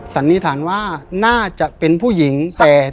สันนิษฐานว่าน่าจะเป็นผู้หญิงแต่